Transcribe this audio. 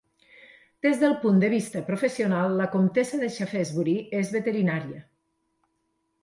Des del punt de vista professional, la comtessa de Shaftesbury és veterinària.